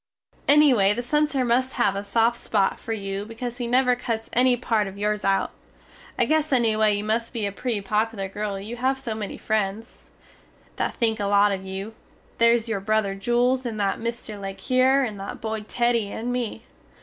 Ennyway the censer must have a soft spot fer you because he never cuts enny part of yours out. I guess ennyway you must be a pretty poplar girl you have so many frens, that think a lot of you, theres your brother Jules and that Mr. le Cure and that guy Teddy and me.